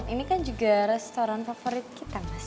ini kan juga restoran favorit kita mas